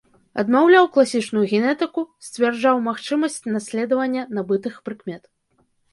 Адмаўляў класічную генетыку, сцвярджаў магчымасць наследавання набытых прыкмет.